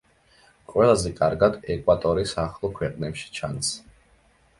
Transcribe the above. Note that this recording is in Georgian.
ყველაზე კარგად ეკვატორის ახლო ქვეყნებში ჩანს.